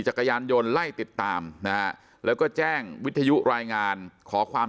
จักรยานยนต์ไล่ติดตามนะฮะแล้วก็แจ้งวิทยุรายงานขอความ